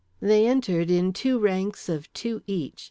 They entered in two ranks of two each.